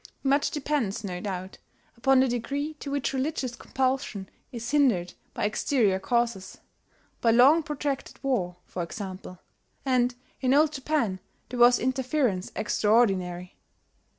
Much depends, no doubt, upon the degree to which religious compulsion is hindered by exterior causes, by long protracted war, for example, and in Old Japan there was interference extraordinary.